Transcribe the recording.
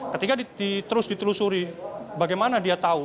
ketika terus ditelusuri bagaimana dia tahu